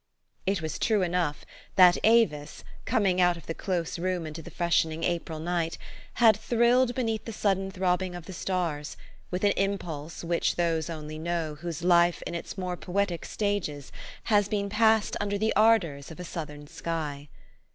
. It was true enough, that Avis, coming out of the close room into the freshening April night, had thrilled beneath the sudden throbbing of the stars, with an impulse which those only know whose life in its more poetic stages has been passed under the ardors of a Southern sky.